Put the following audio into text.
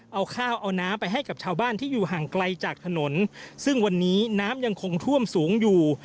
เอาข้าวเอาน้ำไปให้กับชาวบ้านที่อยู่ห่างไกลจากถนนซึ่งวันนี้น้ำยังคงท่วมสูงอยู่